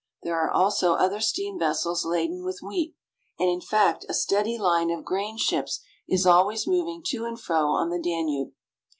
There are also other steam vessels laden with wheat, and in fact a steady line of grain ships is always moving to and fro on the Danube.